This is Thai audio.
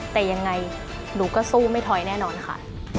แต่ยังไงหนูก็สู้ไม่ถอยแน่นอนค่ะ